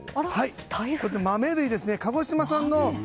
豆類ですね、鹿児島産の。